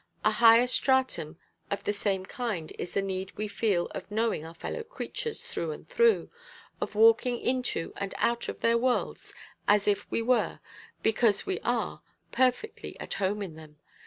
A higher stratum of the same kind is the need we feel of knowing our fellow creatures through and through, of walking into and out of their worlds as if we were, because we are, perfectly at home in them.